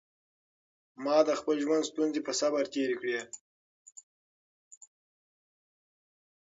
ما د خپل ژوند ستونزې په صبر تېرې کړې.